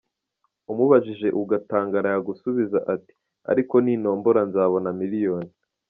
Umubajije utangara yagusubiza ati : «ariko nintombora nzabona Miliyoni» !